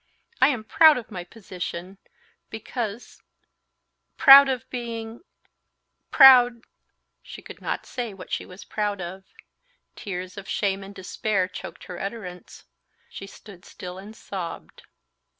I am proud of my position, because ... proud of being ... proud...." She could not say what she was proud of. Tears of shame and despair choked her utterance. She stood still and sobbed.